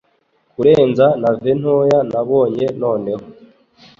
kurenza nave ntoya nabonye noneho